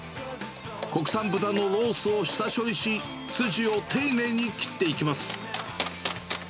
国産豚のロースを下処理し、筋を丁寧に切っていきます。